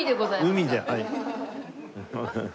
「海」ではい。